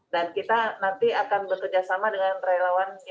dan kita nanti akan bekerjasama dengan relawannya pak andre ya